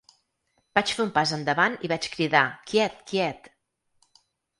Vaig fer un pas endavant i vaig cridar ‘quiet, quiet’.